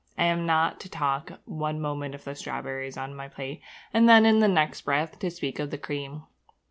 I am not to talk one moment of the strawberries on my plate, and then, in the next breath, to speak of the cream.